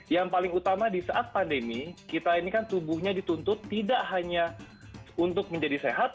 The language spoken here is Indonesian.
yang paling utama di saat pandemi kita ini kan tubuhnya dituntut tidak hanya untuk menjadi sehat